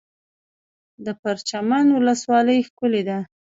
د پرچمن ولسوالۍ ښکلې ده